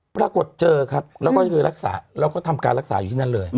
ปรากฏเจอครับแล้วก็ทำการรักษาอยู่ที่นั้นเลย